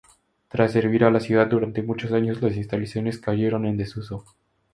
Tras servir a la ciudad durante muchos años, las instalaciones cayeron en desuso.